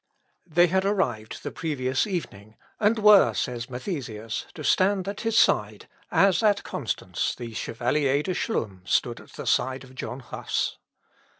They had arrived the previous evening, and were, says Mathesius, to stand at his side, as at Constance the Chevalier de Chlum stood at the side of John Huss.